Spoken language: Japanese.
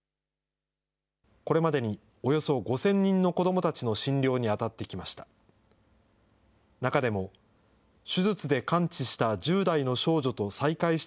これまでにおよそ５０００人の子どもたちの診療に当たってきました。